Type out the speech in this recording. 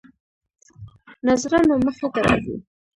ناظرانو مخې ته راځي.